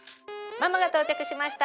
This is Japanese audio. ママが到着しました！